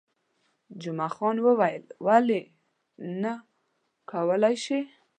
جمعه خان وویل، ولې نه، کولای شئ.